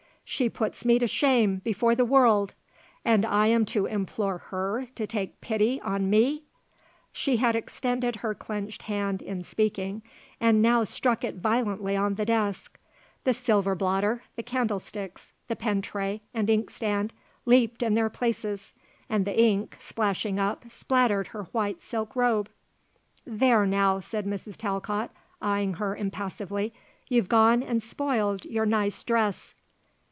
She puts me to shame before the world! And I am to implore her to take pity on me!" She had extended her clenched hand in speaking and now struck it violently on the desk. The silver blotter, the candlesticks, the pen tray and ink stand leaped in their places and the ink, splashing up, spattered her white silk robe. "There now," said Mrs. Talcott, eyeing her impassively, "you've gone and spoiled your nice dress."